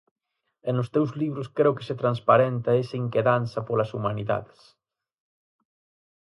E nos teus libros creo que se transparenta esa inquedanza polas Humanidades.